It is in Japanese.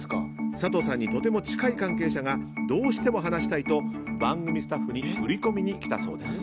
佐藤さんにとても近い関係者がどうしても話したいと番組スタッフに売り込みに来たそうです。